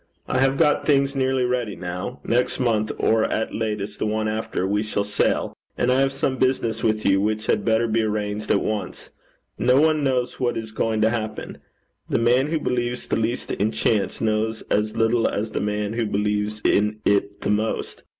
I have got things nearly ready now. Next month, or at latest, the one after, we shall sail; and I have some business with you which had better be arranged at once. No one knows what is going to happen. The man who believes the least in chance knows as little as the man who believes in it the most.